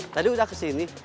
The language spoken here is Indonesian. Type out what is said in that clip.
tadi udah kesini